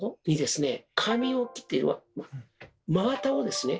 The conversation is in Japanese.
「髪置き」って真綿をですね